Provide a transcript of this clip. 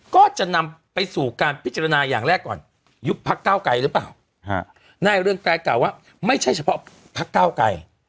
ก็จะนำไปสู่การพิจารณาอย่างแรกก่อนยุบพักเก้าไกลหรือเปล่านายเรืองไกรกล่าวว่าไม่ใช่เฉพาะพักเก้าไกร